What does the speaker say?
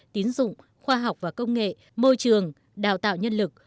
tín dụng khoa học và công nghệ môi trường đào tạo nhân lực